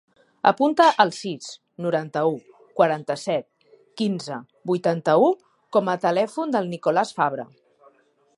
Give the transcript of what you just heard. Apunta el sis, noranta-u, quaranta-set, quinze, vuitanta-u com a telèfon del Nicolàs Fabra.